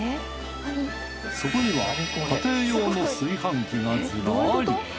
そこには家庭用の炊飯器がズラリ！